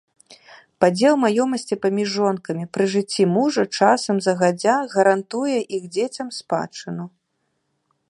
Падзел маёмасці паміж жонкамі пры жыцці мужа часам загадзя гарантуе іх дзецям спадчыну.